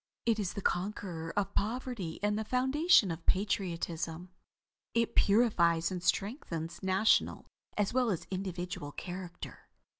It is the conqueror of poverty and the foundation of patriotism. It purifies and strengthens national, as well as individual character.